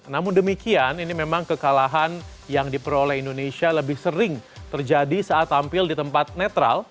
namun demikian ini memang kekalahan yang diperoleh indonesia lebih sering terjadi saat tampil di tempat netral